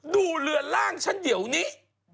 ดูเรือล่างชั้นเหี่ยวนี้